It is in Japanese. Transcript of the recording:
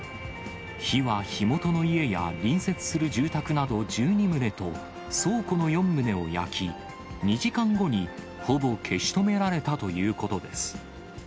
火は火元の家や隣接する住宅など１２棟と倉庫の４棟を焼き、２時間後にほぼ消し止められたということです。